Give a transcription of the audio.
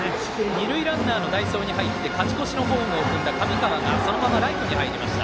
二塁ランナーの代走に入って勝ち越しのホームを踏んだ神川がそのままライトに入りました。